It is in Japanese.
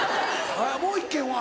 もう１軒は？